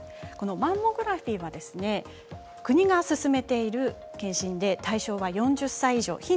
マンモグラフィーは国がすすめている検診で対象は４０歳以上です。